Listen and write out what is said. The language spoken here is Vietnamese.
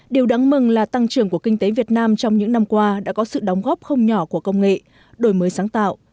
điều đáng mừng là tăng trưởng của kinh tế việt nam trong những năm qua đã có sự đóng góp không nhỏ của công nghệ đổi mới sáng tạo